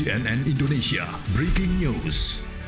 cnn indonesia breaking news